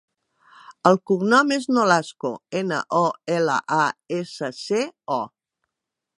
El cognom és Nolasco: ena, o, ela, a, essa, ce, o.